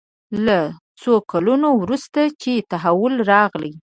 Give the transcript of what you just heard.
له څو کلونو وروسته چې تحول راغلی.